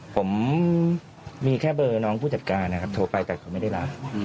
ผมมีแค่เบอร์น้องผู้จัดการนะครับโทรไปแต่เขาไม่ได้รับ